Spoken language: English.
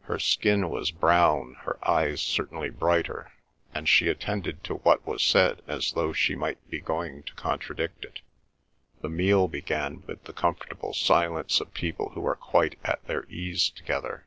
Her skin was brown, her eyes certainly brighter, and she attended to what was said as though she might be going to contradict it. The meal began with the comfortable silence of people who are quite at their ease together.